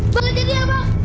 bella dia dia bang